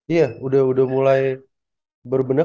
iya udah mulai berbenah